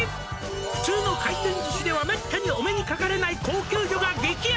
「普通の回転寿司ではめったにお目にかかれない」「高級魚が激安！」